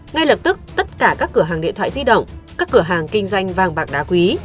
ngay lập tức tất cả các cửa hàng điện thoại di động các cửa hàng kinh doanh vàng bạc đá quý